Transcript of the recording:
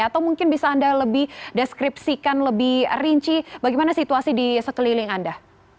atau mungkin bisa anda lebih deskripsikan lebih rinci bagaimana situasi di sekeliling anda